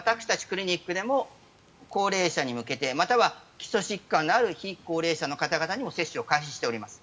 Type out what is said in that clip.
クリニックでも高齢者に向けてまたは基礎疾患のある非高齢者の方々にも接種を開始しております。